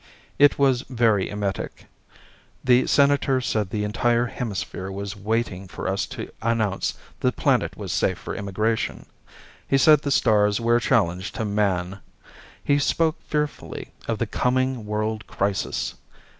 It was very emetic. The Senator said the entire hemisphere was waiting for us to announce the planet was safe for immigration. He said the stars were a challenge to Man. He spoke fearfully of the Coming World Crisis.